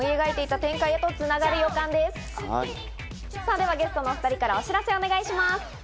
では、ゲストのお２人からお知らせをお願いします。